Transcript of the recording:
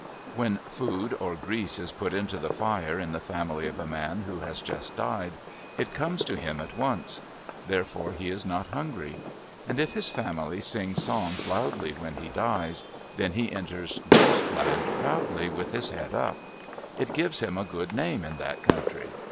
When food or grease is put into the fire in the family of a man who has just died, it comes to him at once; therefore he is not hungry. And if his family sing songs loudly when he dies, then he enters Ghost Land proudly, with his head up. It gives him a good name in that country.